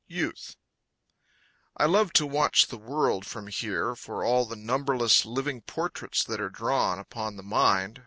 YOUTH I love to watch the world from here, for all The numberless living portraits that are drawn Upon the mind.